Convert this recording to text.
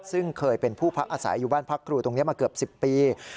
ซึ่งเคยเป็นผู้พักอาศัยอยู่บ้านพักครูตรงนี้มาเกือบ๑๐ปี